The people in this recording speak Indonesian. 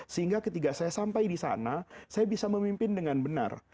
sehingga ketika saya sampai di sana saya bisa memimpin dengan benar